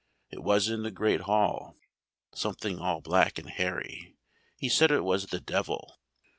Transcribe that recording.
It was in the great hall something all black and hairy, he said it was the devil.